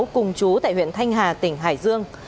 cùng chú tại huyện thanh hà tỉnh hải dương